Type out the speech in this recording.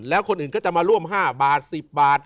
แล้วคนอื่นก็จะมาร่วม๕บาท๑๐บาท